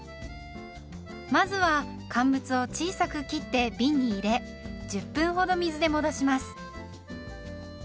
まずは乾物を小さく切ってびんに入れ１０分ほど水で戻します。